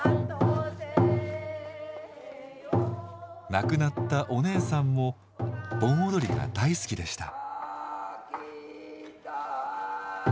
亡くなったお姉さんも盆踊りが大好きでした。